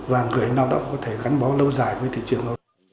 và người lao động có thể gắn bó lâu dài với thị trường lao